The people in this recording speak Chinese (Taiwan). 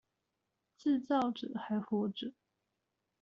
自造者還活著